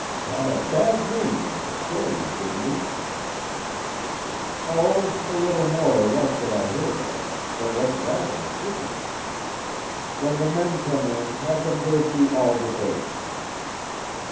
"Had a bad name in Castalia, didn't he?" "Oh, a little more or less that I heard of, but what's that in a fisherman? When the men come in have them go through all the bait."